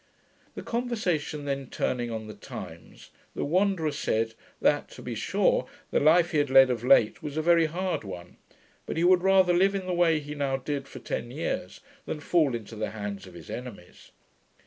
The conversation then turning on the times, the Wanderer said, that to be sure, the life he had led of late was a very hard one; but he would rather live in the way he now did, for ten years, than fall into the hands of his enemies.